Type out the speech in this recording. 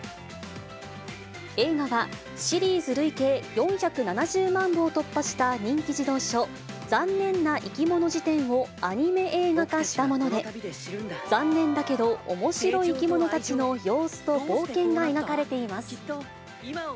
映画は、シリーズ累計４７０万部を突破した人気児童書、ざんねんないきもの事典をアニメ映画化したもので、ざんねんだけどおもしろいいきものたちの様子と冒険が描かれています。